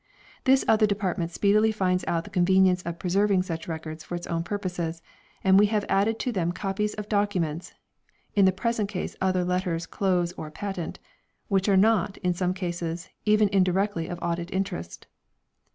This other department speedily finds out the convenience of preserving such records for its own purposes, and we have added to them copies of docu ments (in the present case other letters close or patent) which are not, in some cases, even indirectly of Audit interest.